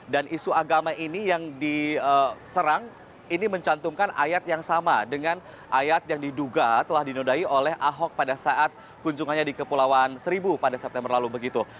dan isu agama ini yang diserang ini mencantumkan ayat yang sama dengan ayat yang diduga telah dinudai oleh ahok pada saat kunjungannya di kepulauan seribu pada september lalu begitu